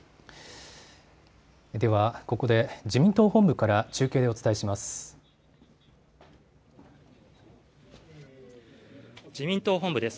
ではここで自民党本部から中継でお伝えします。